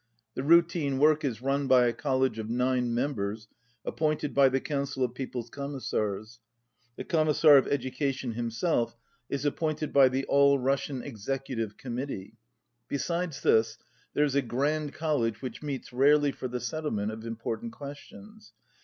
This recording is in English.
The routine work is run by a College of nine mem bers appointed by the Council of People's Commis sars. The Commissar of Education himself is appointed by the All Russian Executive Commit tee. Besides this, there is a Grand College which meets rarely for the settlement of important ques tions.